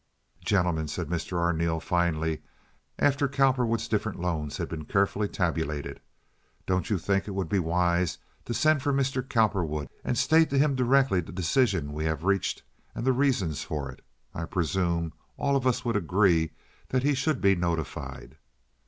"Gentlemen," said Mr. Arneel, finally, after Cowperwood's different loans had been carefully tabulated, "don't you think it would be wise to send for Mr. Cowperwood and state to him directly the decision we have reached and the reasons for it? I presume all of us would agree that he should be notified."